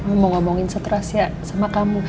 eh mau ngomongin seterusnya sama kamu